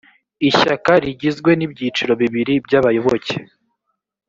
ishyaka rigizwe n ibyiciro bibiri by abayoboke